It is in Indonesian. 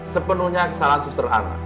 sepenuhnya kesalahan suster ana